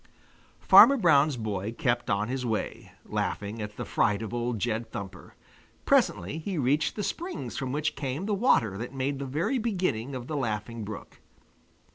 Farmer Brown's boy kept on his way, laughing at the fright of old Jed Thumper. Presently he reached the springs from which came the water that made the very beginning of the Laughing Brook.